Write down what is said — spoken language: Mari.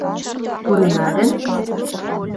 — Пурена гын?